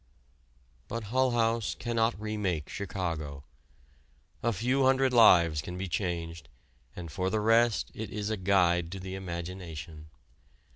But Hull House cannot remake Chicago. A few hundred lives can be changed, and for the rest it is a guide to the imagination.